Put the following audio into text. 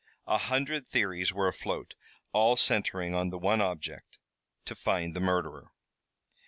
A hundred theories were afloat, all centering on the one object to find the murderer.